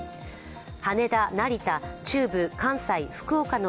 羽田、成田、中部、関西、福岡の